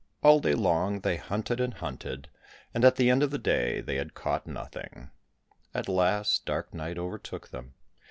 All day long they hunted and hunted, and at the end of the day they had caught nothing. At last dark night overtook them.